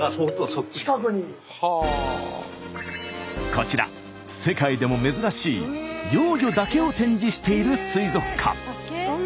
こちら世界でも珍しい幼魚だけを展示している水族館。